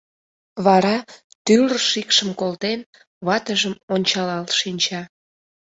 Вара, тӱр-р шикшым колтен, ватыжым ончалал шинча.